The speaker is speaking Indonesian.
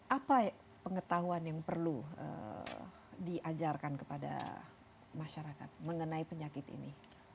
apa pengetahuan yang perlu diajarkan kepada masyarakat mengenai penyakit ini